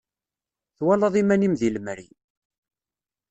Twalaḍ iman-im deg lemri.